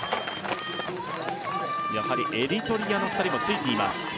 やはりエリトリアの２人もついています